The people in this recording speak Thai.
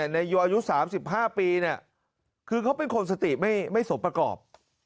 ในอายุสามสิบห้าปีคือเขาเป็นคนสติไม่สมประกอบ